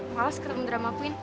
males ketemu drama queen